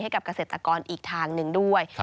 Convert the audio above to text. ให้กับเกษตรกรอีกทางหนึ่งด้วย